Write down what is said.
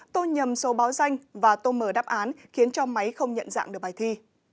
tô nhầm số báo danh và tô mở đáp án khiến cho máy không nhận dạng được bài thi